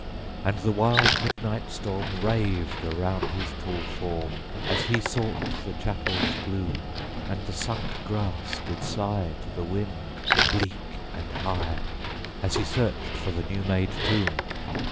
11. And the wild midnight storm Raved around his tall form, _60 As he sought the chapel's gloom: And the sunk grass did sigh To the wind, bleak and high, As he searched for the new made tomb.